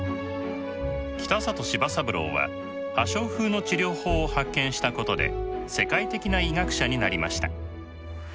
北里柴三郎は破傷風の治療法を発見したことで世界的な医学者になりました。